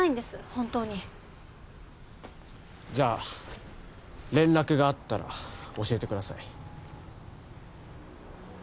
本当にじゃあ連絡があったら教えてください